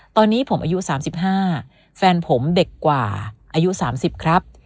ตอนนี้ผมอายุสามสิบห้าแฟนผมเด็กกว่าอายุสามสิบครับ